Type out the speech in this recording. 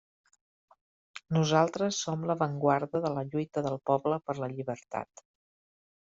Nosaltres som l'avantguarda de la lluita del poble per la llibertat.